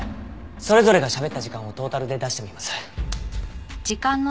それぞれがしゃべった時間をトータルで出してみます。